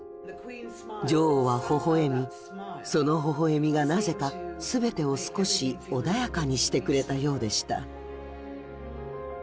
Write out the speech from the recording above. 女王はほほ笑みそのほほ笑みがなぜか全てを少し穏やかにしてくれたようでした。